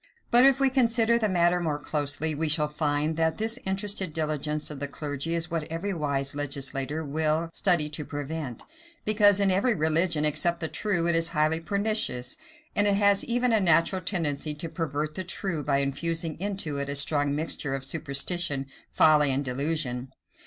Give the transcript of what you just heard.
But if we consider the matter more closely, we shall find, that this interested diligence of the clergy is what every wise legislator will study to prevent; because in every religion, except the true, it is highly pernicious, and it has even a natural tendency to pervert the true, by infusing into it a strong mixture of superstition, folly, and delusion.